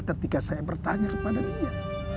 ketika saya bertanya kepada dia